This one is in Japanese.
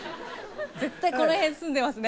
絶対この辺住んでますね